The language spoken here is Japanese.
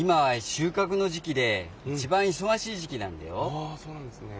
あそうなんですね。